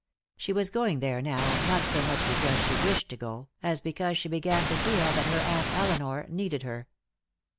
She was going there now, not so much because she wished to go, as because she began to feel that her Aunt Elinor needed her.